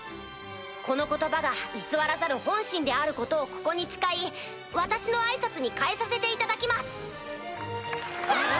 この言葉が偽らざる本心であることをここに誓い私のあいさつに代えさせていただきます。